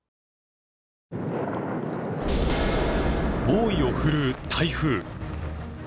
猛威を振るう台風。